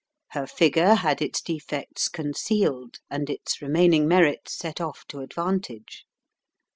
Her figure had its defects concealed, and its remaining merits set off to advantage.